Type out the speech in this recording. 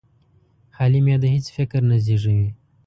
خالي معده هېڅ فکر نه زېږوي.